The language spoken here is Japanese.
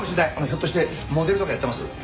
ひょっとしてモデルとかやってます？